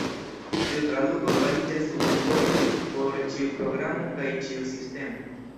Tiu traduko fariĝas unufoje por ĉiu programo kaj ĉiu sistemo.